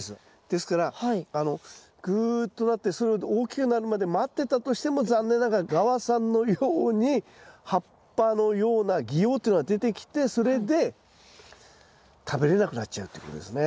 ですからぐっとなってそれが大きくなるまで待ってたとしても残念ながらがわさんのように葉っぱのような擬葉というのが出てきてそれで食べれなくなっちゃうということですね。